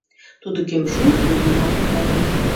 Тудо кӧм шуын, тудым налын кая.